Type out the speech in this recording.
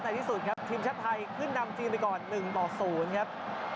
ที่สุดครับทีมชาติไทยขึ้นนำจีนไปก่อน๑ต่อ๐ครับ